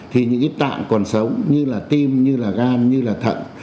thì những cái tạng còn sống như là tim như là gan như là thận